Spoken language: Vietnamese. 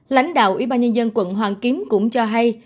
lãnh đạo ubnd quận hoàng kiếm cũng cho hay